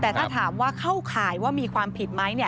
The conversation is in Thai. แต่ถ้าถามว่าเข้าข่ายว่ามีความผิดไหม